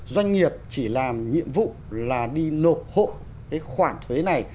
doanh nghiệp chỉ làm nhiệm vụ là đi nộp hộ cái khoản thuế này